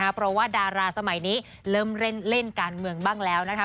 เพราะว่าดาราสมัยนี้เริ่มเล่นการเมืองบ้างแล้วนะคะ